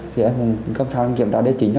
thì em cũng cầm sổ đi kiểm tra ở địa chính